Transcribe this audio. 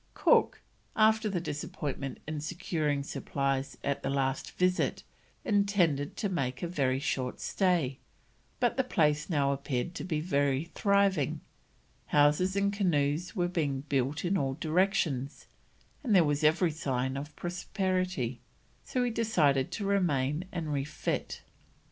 Cook, after the disappointment in securing supplies at the last visit, intended to make a very short stay, but the place now appeared to be very thriving, houses and canoes were being built in all directions, and there was every sign of prosperity, so he decided to remain and refit.